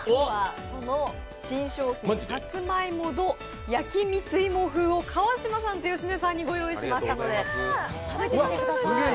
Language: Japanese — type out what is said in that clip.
その新商品、さつまいもド焼き蜜いも風を川島さんと芳根さんにご用意しましたので、味わってみてください。